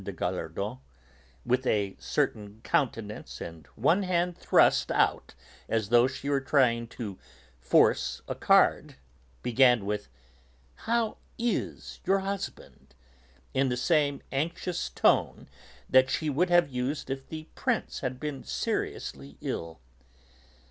de Gallardon, with a stern countenance and one hand thrust out as though she were trying to 'force' a card, began with: "How is your husband?" in the same anxious tone that she would have used if the Prince had been seriously ill.